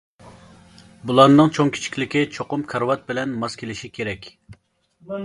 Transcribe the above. بۇلارنىڭ چوڭ-كىچىكلىكى چوقۇم كارىۋات بىلەن ماس كېلىشى كېرەك.